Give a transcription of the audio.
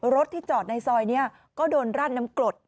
รถที่จอดในซอยนี้ก็โดนราดน้ำกรด